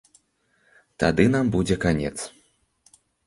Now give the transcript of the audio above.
Тады нам будзе канец.